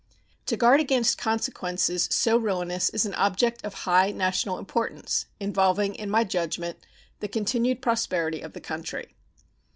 To guard against consequences so ruinous is an object of high national importance, involving, in my judgment, the continued prosperity of the country.